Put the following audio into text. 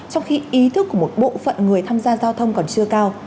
trong khi ý thức của một bộ phận người tham gia giao thông còn chưa cao